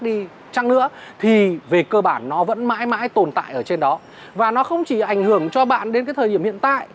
đi chăng nữa thì về cơ bản nó vẫn mãi mãi tồn tại ở trên đó và nó không chỉ ảnh hưởng cho bạn đến cái thời điểm hiện tại